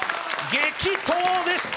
激闘でした！